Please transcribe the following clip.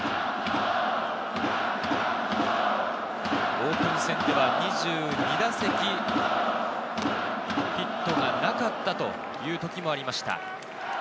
オープン戦では２２打席ヒットがなかったというときもありました。